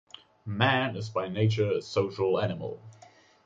Man is by nature a social animal.